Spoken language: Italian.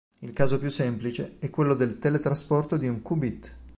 Il caso più semplice è quello del teletrasporto di un qubit.